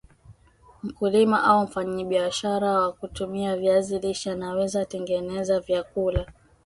mkulima au mfanyabishara kwa kutumia viazi lishe anaweza tengeneza vyakula